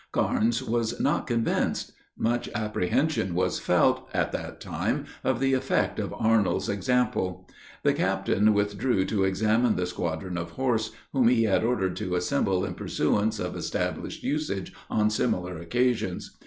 Carnes was not convinced. Much apprehension was felt, at that time, of the effect of Arnold's example. The captain withdrew to examine the squadron of horse, whom he had ordered to assemble in pursuance of established usage on similar occasions.